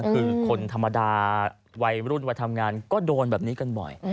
คือคนธรรมดาวัยรุ่นวัยทำงานก็โดนแบบนี้กันบ่อย